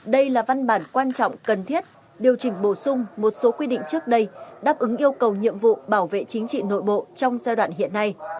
đây là văn bản quan trọng cần thiết điều chỉnh bổ sung một số quy định trước đây đáp ứng yêu cầu nhiệm vụ bảo vệ chính trị nội bộ trong giai đoạn hiện nay